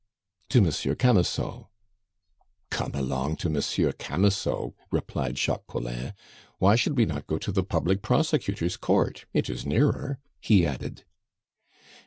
"To Monsieur Camusot." "Come along to Monsieur Camusot," replied Jacques Collin. "Why should we not go to the public prosecutor's court? It is nearer," he added.